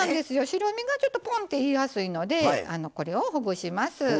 白身がちょっとポンっていいやすいのでこれをほぐします。